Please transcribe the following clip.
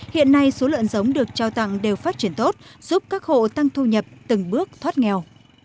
hiện nay số lợn giống được trao tặng đều phát triển tốt giúp các hộ tăng thu nhập từng bước thoát nghèo